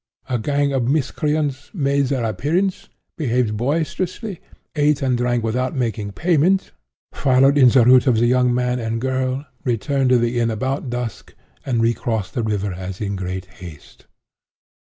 'A gang of miscreants made their appearance, behaved boisterously, ate and drank without making payment, followed in the route of the young man and girl, returned to the inn about dusk, and recrossed the river as if in great haste.